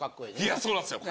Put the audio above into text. いやそうなんですよ。